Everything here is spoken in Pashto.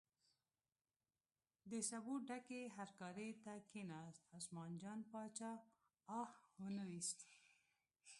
د سبو ډکې هرکارې ته کیناست، عثمان جان باچا اه نه ویست.